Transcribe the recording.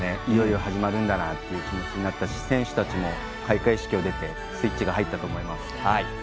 いよいよ始まるんだなという気持ちになったし選手たちも、開会式に出てスイッチが入ったと思います。